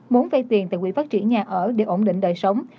muốn vay tiền tại quỹ phát triển nhà ở để ổn định đời sống